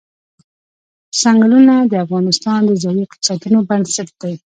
ځنګلونه د افغانستان د ځایي اقتصادونو بنسټ دی.